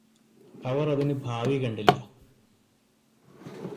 അവര് അതിന് ഭാവി കണ്ടില്ല